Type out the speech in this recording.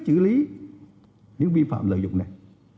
xử lý những vi phạm lợi dụng này